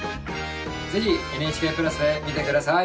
是非「ＮＨＫプラス」で見て下さい。